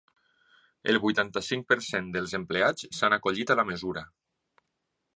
El vuitanta-cinc per cent dels empleats s’han acollit a la mesura.